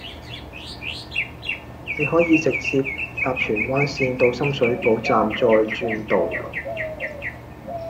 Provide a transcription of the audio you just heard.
你可以直接搭荃灣綫到深水埗站再轉渡輪